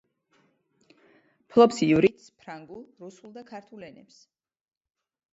ფლობს ივრითს, ფრანგულ, რუსულ და ქართულ ენებს.